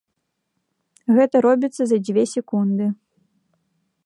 Гэта робіцца за дзве секунды.